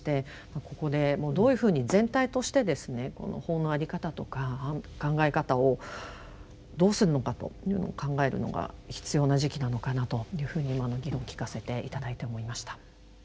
ここでどういうふうに全体としてですね法の在り方とか考え方をどうするのかというのを考えるのが必要な時期なのかなというふうに今の議論を聞かせて頂いて思いました。